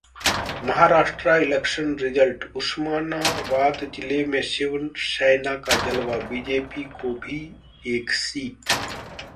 Maharashtra Election Result: Osmanabad जिले में शिवसेना का जलवा, बीजेपी को भी एक सीट